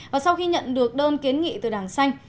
và sau khi nhận được đơn kiến nghị từ đảng xanh